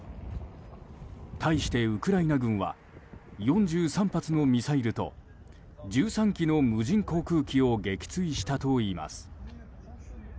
対してウクライナ軍は４３発のミサイルと１３機の無人航空機を撃墜したといいます。